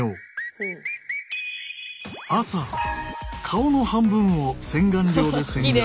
朝顔の半分を洗顔料で洗顔。